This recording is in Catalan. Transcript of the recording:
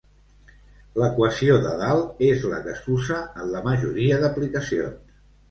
L'equació de dalt és la que s'usa en la majoria d'aplicacions.